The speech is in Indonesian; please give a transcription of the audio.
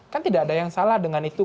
kan tidak ada yang salah dengan itu